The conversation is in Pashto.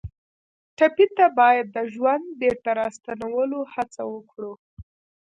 ټپي ته باید د ژوند بېرته راستنولو هڅه وکړو.